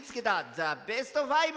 ザ・ベスト５」。